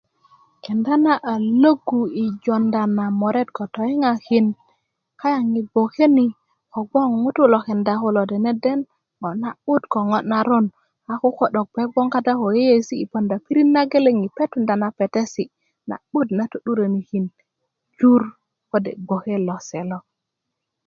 kenda a lwogu i jonda na moret ko toyiŋakin kayaŋ i gboke ni kogboŋ ŋutu lo kenda kulo deneden ŋo na'but ko ŋo naron a koko 'dok gbe kata ko yeiyesi ti ponda pirit nageleŋ i gboŋ ko petesi na'but na to'duröni jur ko gboke lose lo